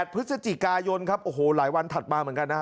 พฤศจิกายนครับโอ้โหหลายวันถัดมาเหมือนกันนะฮะ